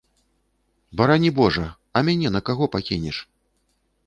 Барані божа, а мяне на каго пакінеш?